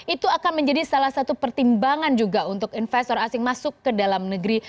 itu akan menjadi salah satu pertimbangan juga untuk investor asing masuk ke dalam negeri